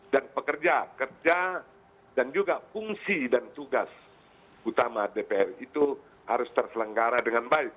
dan pekerja kerja dan juga fungsi dan tugas utama dpr itu harus terselenggara dengan baik